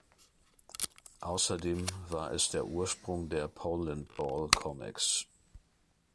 Außerdem war es der Ursprung der Polandball-Comics.